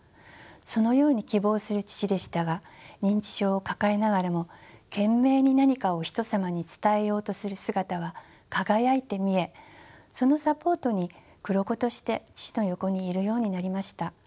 そのように希望する父でしたが認知症を抱えながらも懸命に何かをひとさまに伝えようとする姿は輝いて見えそのサポートに黒子として父の横にいるようになりました。